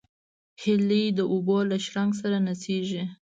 هیلۍ د اوبو له شرنګ سره نڅېږي